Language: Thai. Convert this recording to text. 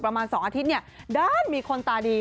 ประมาณ๒อาทิตย์ด้านมีคนตาดี